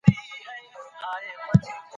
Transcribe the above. په نړۍ کي د نورو احترام وکړئ.